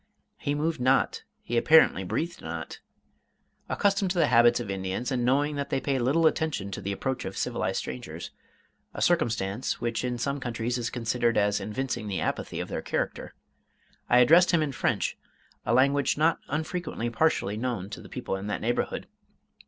He moved not; he apparently breathed not. Accustomed to the habits of the Indians, and knowing that they pay little attention to the approach of civilized strangers (a circumstance which in some countries is considered as evincing the apathy of their character), I addressed him in French, a language not unfrequently partially known to the people in that neighborhood.